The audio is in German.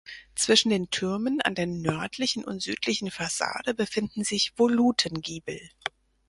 Zwischen den Türmen an der nördlichen und südlichen Fassade befinden sich Volutengiebel.